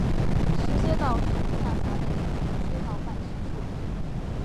石街道是下辖的一个街道办事处。